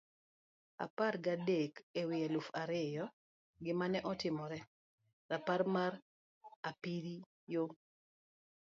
apar gi adek e wi aluf ariyo: Gima ne otimore . rapar mar apiriyo